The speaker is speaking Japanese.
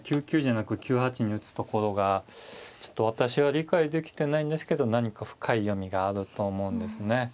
９九じゃなく９八に打つところがちょっと私は理解できてないんですけど何か深い読みがあると思うんですけどね。